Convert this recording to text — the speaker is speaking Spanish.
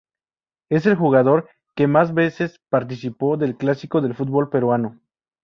Es el jugador que más veces participó del clásico del fútbol peruano.